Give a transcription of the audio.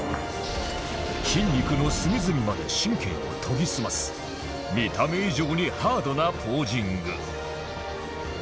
筋肉の隅々まで神経を研ぎ澄ます見た目以上にハードなポージング